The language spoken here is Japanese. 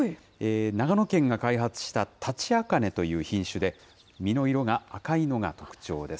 長野県が開発したタチアカネという品種で、実の色が赤いのが特徴です。